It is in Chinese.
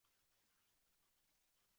科松河畔瓦讷人口变化图示